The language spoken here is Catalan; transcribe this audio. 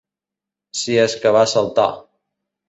Si és que va saltar.